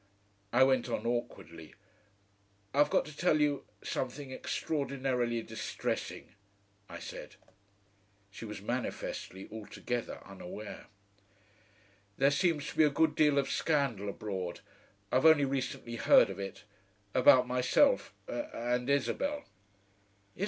I went on awkwardly. "I've got to tell you something extraordinarily distressing," I said. She was manifestly altogether unaware. "There seems to be a good deal of scandal abroad I've only recently heard of it about myself and Isabel."